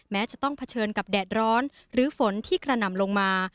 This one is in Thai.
แม้จะต้องเผชิญกับแดดร้อนหรือฝนที่กระหน่ำลงมา